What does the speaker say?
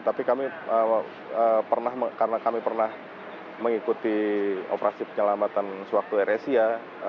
tapi kami karena kami pernah mengikuti operasi penyelamatan sewaktu air asia